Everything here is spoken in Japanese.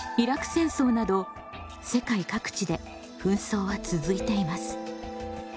戦争など世界各地で紛争は続いています。